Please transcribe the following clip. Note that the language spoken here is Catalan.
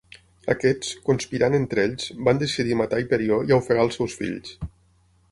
Aquests, conspirant entre ells, van decidir matar Hiperió i ofegar els seus fills.